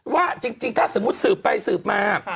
ว่าจริงถ้าสมมุติสืบไปสืบมา